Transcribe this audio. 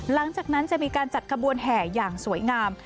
หลังจากนั้นจะมีการจัดขบวนแห่อย่างสวยงาม